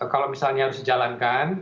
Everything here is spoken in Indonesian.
kalau misalnya harus dijalankan